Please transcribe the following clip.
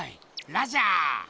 ラジャー！